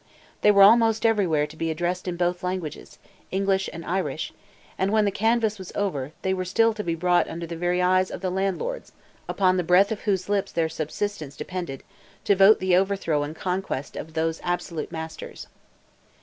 They were almost everywhere to be addressed in both languages—English and Irish—and when the canvass was over, they were still to be brought under the very eyes of the landlords, upon the breath of whose lips their subsistence depended, to vote the overthrow and conquest of those absolute masters.